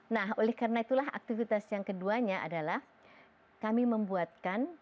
nah oleh karena itulah aktivitas yang keduanya adalah kami membuatkan